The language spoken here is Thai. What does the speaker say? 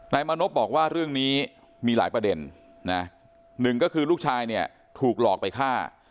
มานพบอกว่าเรื่องนี้มีหลายประเด็นนะหนึ่งก็คือลูกชายเนี่ยถูกหลอกไปฆ่า